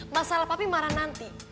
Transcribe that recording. masalah papi marah nanti